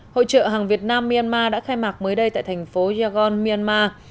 hội trợ hàng việt nam myanmar đã khai mạc mới đây tại thành phố yagon myanmar